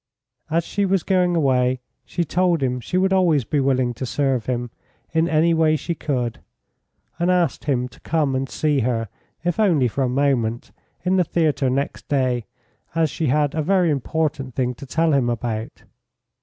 As she was going away she told him that she would always be willing to serve him in any way she could, and asked him to come and see her, if only for a moment, in the theatre next day, as she had a very important thing to tell him about.